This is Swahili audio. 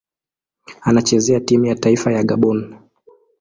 Anachezea timu ya taifa ya Gabon.